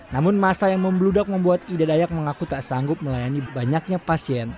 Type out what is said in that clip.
namun masa yang membludak membuat ida dayak mengaku tak sanggup melayani banyaknya pasien